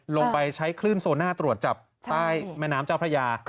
ลงไปใช้คลื่นโซน่าตรวจจับใต้แม่น้ำเจ้าพระยา